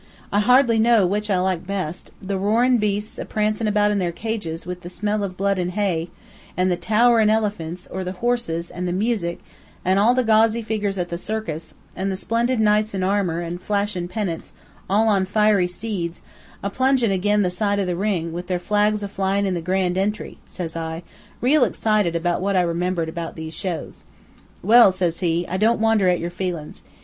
I hardly know which I like best the roarin' beasts, a prancin' about in their cages, with the smell of blood an' hay, an' the towerin' elephants; or the horses, an' the music, an' the gauzy figgers at the circus, an' the splendid knights in armor an' flashin' pennants, all on fiery steeds, a plungin' ag'in the sides of the ring, with their flags a flyin' in the grand entry,' says I, real excited with what I remembered about these shows. "'Well,' says he, 'I don't wonder at your feelin's.